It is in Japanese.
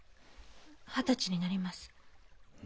二十歳になります。